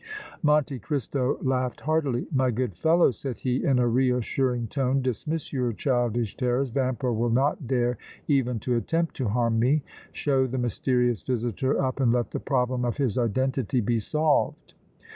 Monte Cristo laughed heartily. "My good fellow," said he, in a reassuring tone, "dismiss your childish terrors. Vampa will not dare even to attempt to harm me! Show the mysterious visitor up and let the problem of his identity be solved!"